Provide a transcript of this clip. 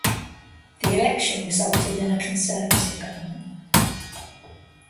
The election resulted in a Conservative government.